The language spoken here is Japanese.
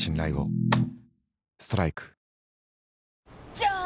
じゃーん！